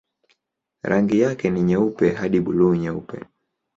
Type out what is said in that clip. Rangi yake ni nyeupe hadi buluu-nyeupe.